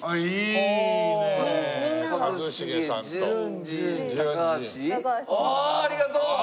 おおありがとう！